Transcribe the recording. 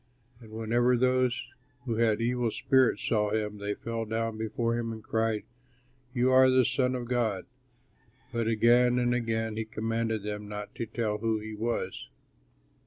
And whenever those who had evil spirits saw him, they fell down before him and cried, "You are the Son of God." But again and again he commanded them not to tell who he was.